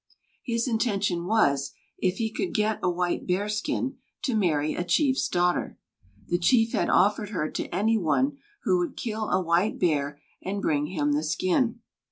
His intention was, if he could get a white bear skin, to marry a chief's daughter. The chief had offered her to any one who would kill a white bear and bring him the skin.